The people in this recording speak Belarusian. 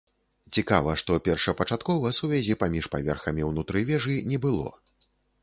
Цікава, што першапачаткова сувязі паміж паверхамі ўнутры вежы не было.